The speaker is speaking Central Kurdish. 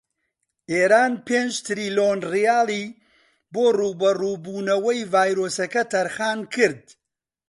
ئێران پێنج تریلۆن ڕیالی بۆ ڕووبەڕوو بوونەوەی ڤایرۆسەکە تەرخانکرد.